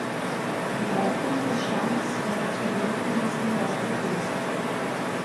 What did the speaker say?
Die Häuptlinge des Stammes werden zu würdigen wissen, was Du tust.